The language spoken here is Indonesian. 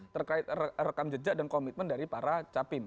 terkait rekam jejak dan komitmen dari para capim